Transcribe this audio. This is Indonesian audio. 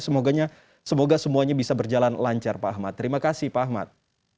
semoga semuanya bisa berjalan lancar pak ahmad terima kasih pak ahmad